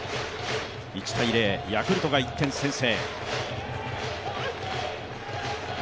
１−０、ヤクルトが１点先制。